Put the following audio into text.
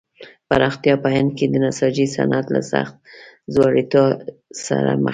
پراختیا په هند کې د نساجۍ صنعت له سخت ځوړتیا سره مخ کړ.